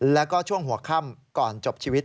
แล้วก็ช่วงหัวค่ำก่อนจบชีวิต